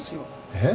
えっ？